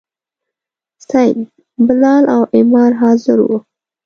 صیب، بلال او عمار حاضر وو.